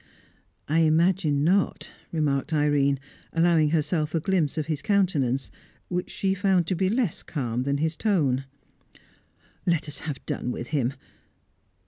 "I imagine not," remarked Irene, allowing herself a glimpse of his countenance, which she found to be less calm than his tone. "Let us have done with him.